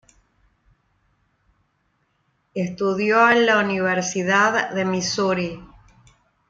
Estudió en la Universidad de Misuri.